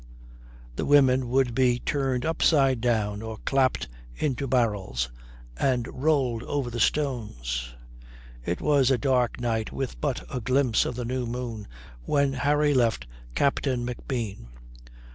The women would be turned upside down or clapped into barrels and rolled over the stones. It was a dark night with but a glimpse of the new moon when Harry left Captain McBean.